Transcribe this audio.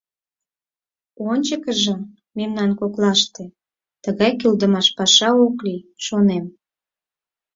Ончыкыжо мемнан коклаште тыгай кӱлдымаш паша ок лий, шонем.